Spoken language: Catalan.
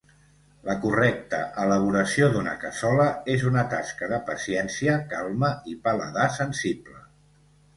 La correcta elaboració d'una cassola és una tasca de paciència, calma i paladar sensible.